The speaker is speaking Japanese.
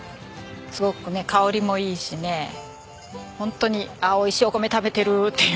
すごくね香りもいいしねホントに「おいしいお米食べてる！」っていう。